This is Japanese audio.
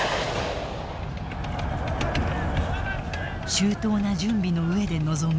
周到な準備のうえで臨む